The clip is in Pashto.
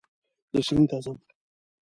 زه سیند ته ځم